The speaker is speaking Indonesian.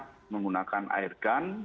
sebenarnya menggunakan air gun